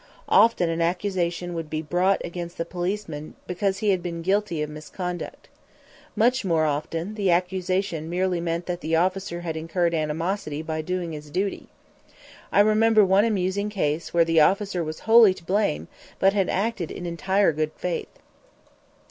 Often an accusation would be brought against the policeman because he had been guilty of misconduct. Much more often the accusation merely meant that the officer had incurred animosity by doing his duty. I remember one amusing case where the officer was wholly to blame but had acted in entire good faith.